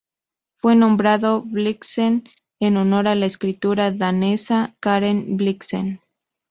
Fue nombrado Blixen en honor a la escritora danesa Karen Blixen.